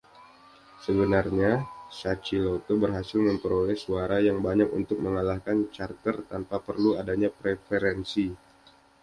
Sebenarnya, Sacilotto berhasil memperoleh suara yang banyak untuk mengalahkan Carter tanpa perlu adanya preferensi.